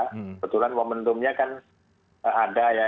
kebetulan momentumnya kan ada ya